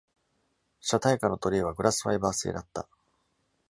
車体下のトレイはグラスファイバー製だった。